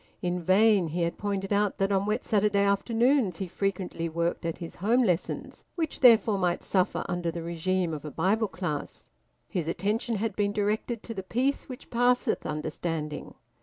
In vain he had pointed out that on wet Saturday afternoons he frequently worked at his home lessons, which therefore might suffer under the regime of a Bible class. His attention had been directed to the peace which passeth understanding.